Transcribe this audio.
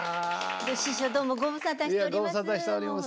師匠どうもご無沙汰しております。